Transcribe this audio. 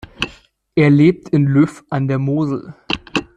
Er lebt in Löf an der Mosel.